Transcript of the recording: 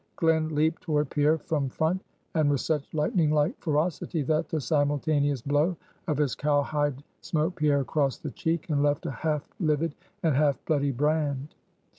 Glen leaped toward Pierre from front, and with such lightning like ferocity, that the simultaneous blow of his cowhide smote Pierre across the cheek, and left a half livid and half bloody brand.